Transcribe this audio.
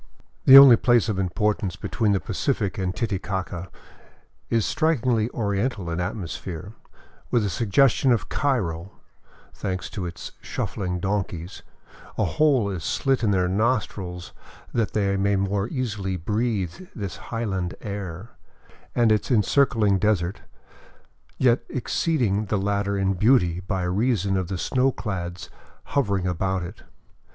The only place of importance between the Pacific and Titicaca is strikingly oriental in atmosphere, with a suggestion of Cairo, thanks to its shuffling donkeys — a hole is slit in their nostrils that they may more easily breathe this highland air — and its encircling desert, yet exceeding the latter in beauty by reason of the snowclads hovering about it.